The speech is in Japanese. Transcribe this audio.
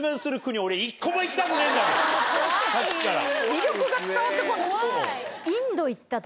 魅力が伝わって来ない。